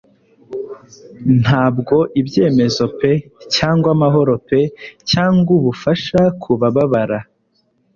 Ntabwo ibyemezo pe cyangwa amahoro pe cyangwa ubufasha kubabara;